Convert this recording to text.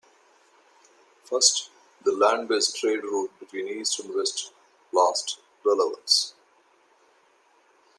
First, the land based trade route between east and west lost relevance.